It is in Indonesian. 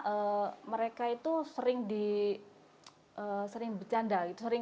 karena mereka itu sering dicanda